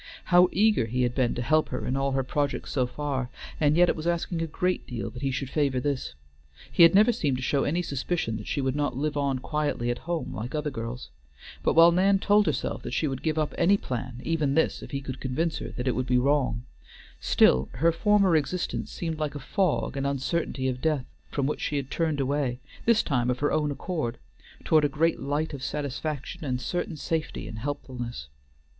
How eager he had been to help her in all her projects so far, and yet it was asking a great deal that he should favor this; he had never seemed to show any suspicion that she would not live on quietly at home like other girls; but while Nan told herself that she would give up any plan, even this, if he could convince her that it would be wrong, still her former existence seemed like a fog and uncertainty of death, from which she had turned away, this time of her own accord, toward a great light of satisfaction and certain safety and helpfulness.